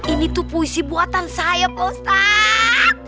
ini tuh puisi buatan saya pak ustadz